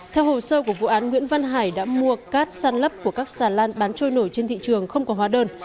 theo hồ sơ của vụ án nguyễn văn hải đã mua cát săn lấp của các xà lan bán trôi nổi trên thị trường không có hóa đơn